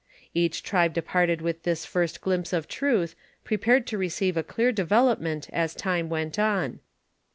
Each tribe departed with this first glimpse of truth, prepared to receive a dear development as time went on.